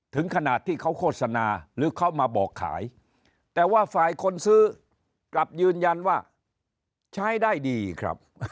ถึงขนาดที่เขาโฆษณาหรือเขามาบอกขายแต่ว่าฝ่ายคนซื้อกลับยืนยันว่าใช้ได้ดีครับ